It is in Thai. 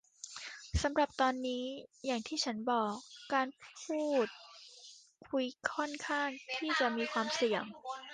สำหรับตอนนี้อย่างที่ฉันบอก การพูดคุยค่อนข้างที่จะมีความเสี่ยง